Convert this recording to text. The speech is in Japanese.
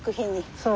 そう。